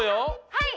はい！